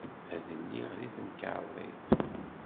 Ad iliɣ deg temkarḍit.